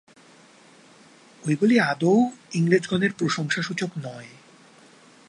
ঐগুলি আদৌ ইংরেজগণের প্রশংসাসূচক নয়।